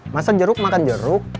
masa jeruk makan jeruk